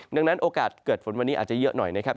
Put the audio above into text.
ดังนั้นโอกาสเกิดฝนวันนี้อาจจะเยอะหน่อยนะครับ